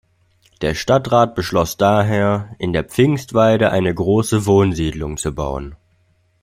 Der Stadtrat beschloss daher, in der Pfingstweide eine große Wohnsiedlung zu bauen.